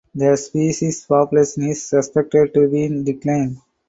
The species’ population is suspected to be in decline.